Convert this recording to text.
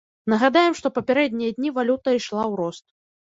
Нагадаем, што папярэднія дні валюта ішла ў рост.